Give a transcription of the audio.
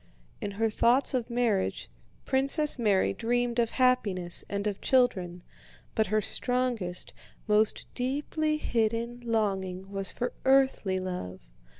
In her thoughts of marriage Princess Mary dreamed of happiness and of children, but her strongest, most deeply hidden longing was for earthly love.